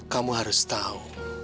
kamu harus tahu